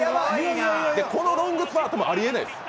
このロングスパートもありえないです。